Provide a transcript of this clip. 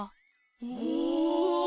おお！